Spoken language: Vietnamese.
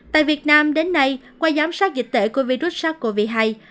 tại việt nam đến nay qua giám sát dịch tệ của virus sát covid hai